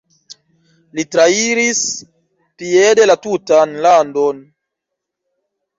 Li trairis piede la tutan landon.